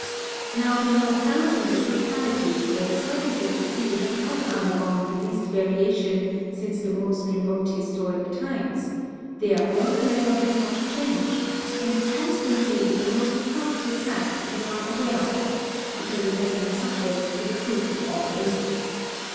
Now we know thousands of localities where the surface of the sea has not undergone the least variation since the most remote historic times ; therefore the level has not changed, and its constancy is the most positive fact we are aware of, be cause it has been subject to the proof of all ages.